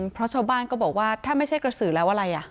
เพราะชาวบ้านก็บอกว่าถ้าไม่ใช่กระสือแล้วอะไร